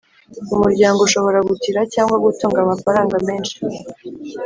Umuryango ushobora gutira cyangwa gutunga amafaranga menshi